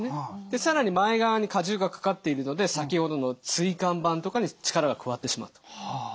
で更に前側に荷重がかかっているので先ほどの椎間板とかに力が加わってしまうと。